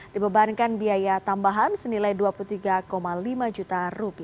dibebankan biaya tambahan senilai rp dua puluh tiga lima juta